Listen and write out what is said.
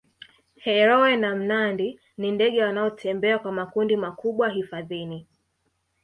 heroe na mnandi ni ndege wanaotembea kwa makundi makubwa hifadhini